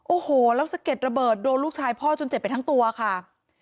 โอ้โหแล้วสะเก็ดระเบิดโดนลูกชายพ่อจนเจ็บไปทั้งตัวค่ะ